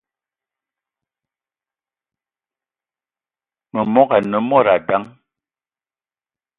Memogo ane mod dang